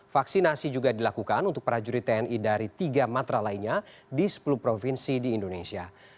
vaksinasi juga dilakukan untuk prajurit tni dari tiga matra lainnya di sepuluh provinsi di indonesia